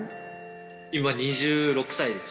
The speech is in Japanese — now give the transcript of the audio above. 今２６歳です。